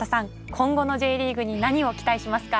今後のＪリーグに何を期待しますか？